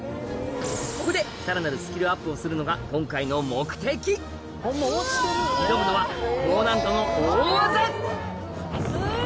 ここでさらなるスキルアップをするのが今回の目的挑むのは高難度の大技！